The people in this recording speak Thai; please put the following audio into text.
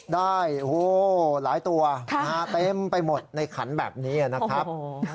ได้หลายตัวเต็มไปหมดในขันแบบนี้นะครับ